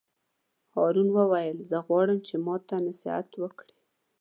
هارون وویل: زه غواړم چې ماته نصیحت وکړې.